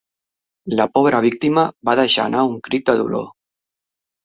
La pobra víctima va deixar anar un crit de dolor.